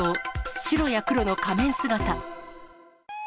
白や黒の仮面姿。